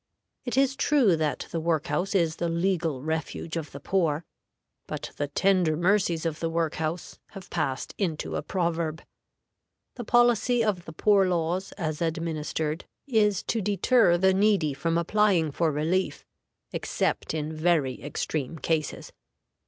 It is true that the work house is the legal refuge of the poor; but the tender mercies of the work house have passed into a proverb. The policy of the poor laws as administered is to deter the needy from applying for relief except in very extreme cases.